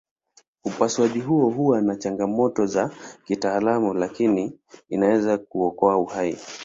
Upasuaji huo huwa na changamoto za kitaalamu lakini inaweza kuokoa uhai.